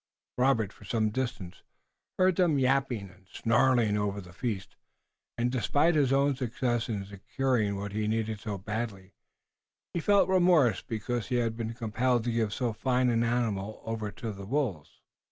Robert, for some distance, heard them yapping and snarling over the feast, and, despite his own success in securing what he needed so badly, he felt remorse because he had been compelled to give so fine an animal over to the wolves.